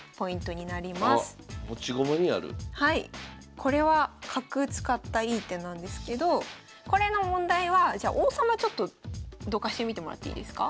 これは角使ったいい手なんですけどこれの問題はじゃあ王様ちょっとどかしてみてもらっていいですか？